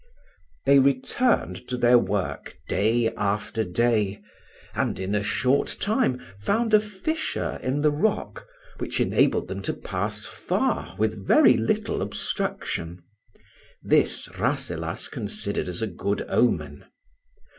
They returned to their work day after day, and in a short time found a fissure in the rock, which enabled them to pass far with very little obstruction. This Rasselas considered as a good omen.